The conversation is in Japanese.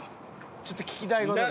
ちょっと聞きたい事が。